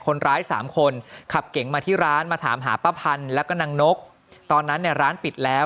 คนร้ายสามคนขับเก๋งมาที่ร้านมาถามหาป้าพันธุ์แล้วก็นางนกตอนนั้นเนี่ยร้านปิดแล้ว